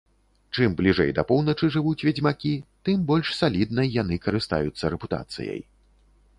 Чым бліжэй да поўначы жывуць ведзьмакі, тым больш саліднай яны карыстаюцца рэпутацыяй.